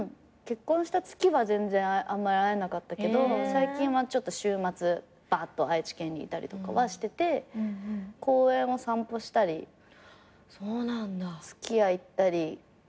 結婚した月は全然あんまり会えなかったけど最近はちょっと週末ばーっと愛知県に行ったりとかはしてて公園を散歩したりすき家行ったりＡＥＯＮ